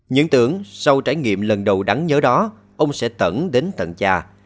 những tưởng sau trải nghiệm lần đầu đáng nhớ đó ông sẽ tẩn đến tận cha